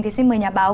thì xin mời nhà báo